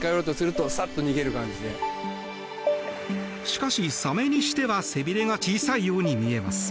しかし、サメにしては背びれが小さいように見えます。